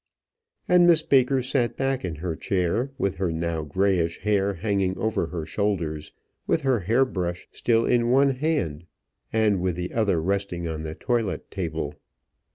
And Miss Baker sat back in her chair, with her now grayish hair hanging over her shoulders, with her hair brush still held in one hand, and with the other resting on the toilet table.